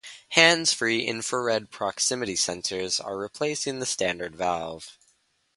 Hands free infrared proximity sensors are replacing the standard valve.